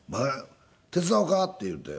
「手伝おうか？」って言うて。